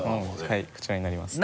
はいこちらになります。